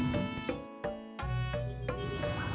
buat sife juga